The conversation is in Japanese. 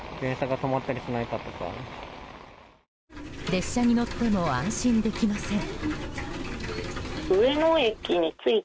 列車に乗っても安心できません。